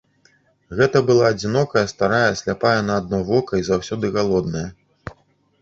Гэта была адзінокая старая, сляпая на адно вока і заўсёды галодная.